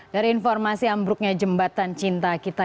dari informasi ambruknya jembatan cinta kita